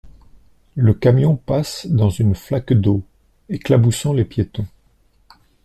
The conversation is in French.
Le camion passe dans une flaque d’eau, éclaboussant les piétons.